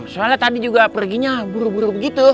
soalnya tadi juga perginya buru buru begitu